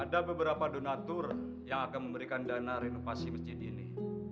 ada beberapa donatur yang akan memberikan dana renovasi masjid ini